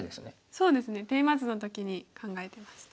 そうですねテーマ図の時に考えてました。